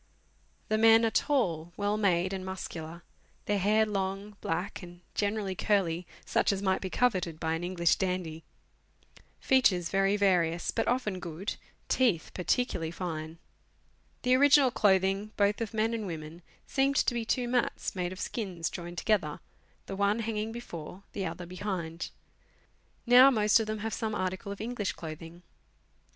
The men are tall, well made, and muscular ; their hair long, black, and generally curly (such as might be coveted by an English dandy) ; features very various, but often good ; teeth particularly fine. The original clothing, both of men and women, seemed to be two mats, made of skins joined together, the one hanging before, the other behind. Now most of them have some article of English clothing.